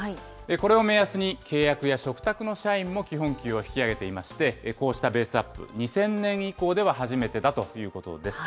これを目安に、契約や嘱託の社員も基本給を引き上げていまして、こうしたベースアップ、２０００年以降では初めてだということです。